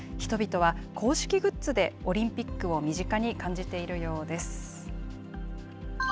人々は公式グッズでオリンピックを身近に感じているようです。